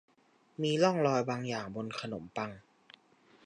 มีร่องรอยบางอย่างบนขนมปัง